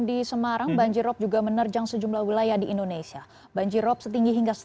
tim liputan cnn indonesia